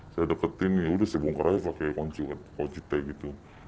saya deketin yaudah saya bongkar aja pake kunci t gitu